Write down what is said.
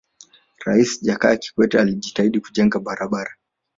raisi jakaya kikwete alijitahidi kujenga barabara